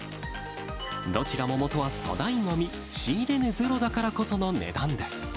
どちらも元は粗大ごみ、仕入れ値ゼロだからこその値段です。